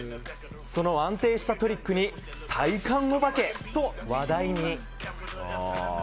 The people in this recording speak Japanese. その安定したトリックに体幹お化けと話題に。